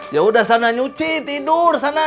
yaudah sana nyuci tidur sana